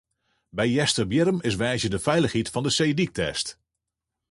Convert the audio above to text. By Easterbierrum is woansdei de feilichheid fan de seedyk test.